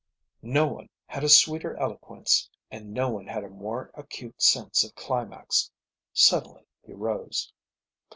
No one had a sweeter eloquence, and no one had a more acute sense of climax. Suddenly he rose.